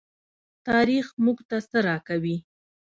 تاریخ موږ ته څه راکوي؟